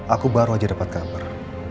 aku baru aja dapat kabar